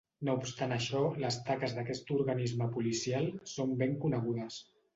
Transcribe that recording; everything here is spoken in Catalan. No obstant això les tasques d'aquest organisme policial són ben conegudes.